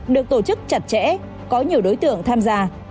được tổ chức chặt chẽ có nhiều đối tượng tham gia